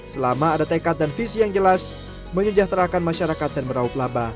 selama ada tekad dan visi yang jelas menyejahterakan masyarakat dan meraup laba